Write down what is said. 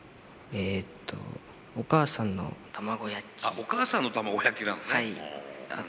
お母さんの卵焼きなのね。